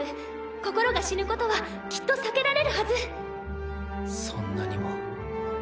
心が死ぬことはきっと避けられるはず。